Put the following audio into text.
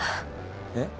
えっ？